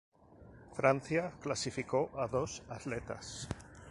Francia clasificó a dos atletas.